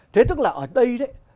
thế tức là ở đây đấy